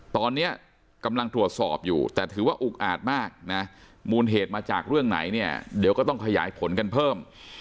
ตอนนี้กำลังตรวจสอบอยู่แต่ถือว่าอุกอาจมากนะมูลเหตุมาจากเรื่องไหนเนี่ยเดี๋ยวก็ต้องขยายผลกันเพิ่ม